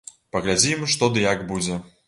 Паглядзім, што ды як будзе.